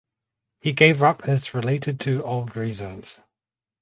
He gave up his related to old reasons.